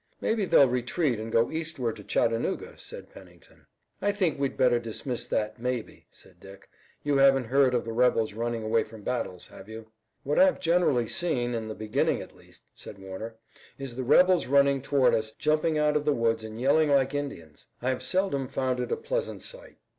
"Maybe they'll retreat and go eastward to Chattanooga," said Pennington. "I think we'd better dismiss that 'maybe,'" said Dick. "You haven't heard of the rebels running away from battles, have you?" "What I've generally seen, in the beginning at least," said Warner, "is the rebels running toward us, jumping out of the woods and yelling like Indians. I have seldom found it a pleasant sight.